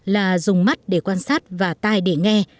là dùng mắt để quan sát và tai để nghe